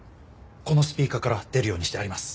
このスピーカーから出るようにしてあります。